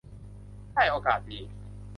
ได้โอกาสดี